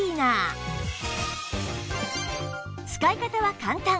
使い方は簡単！